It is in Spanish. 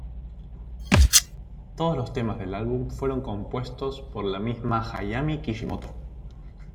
Todos los temas del álbum fueron compuestos por la misma Hayami Kishimoto.